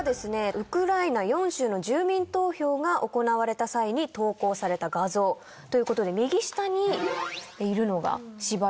ウクライナ４州の住民投票が行われた際に投稿された画像ということで右下にいるのが柴犬ですね。